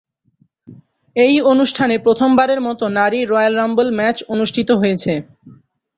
এই অনুষ্ঠানে প্রথমবারের মতো নারী রয়্যাল রাম্বল ম্যাচ অনুষ্ঠিত হয়েছে।